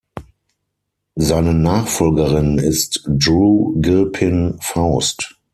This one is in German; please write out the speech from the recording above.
Seine Nachfolgerin ist Drew Gilpin Faust.